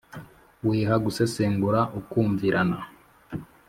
wiha gusesengura ukumvirana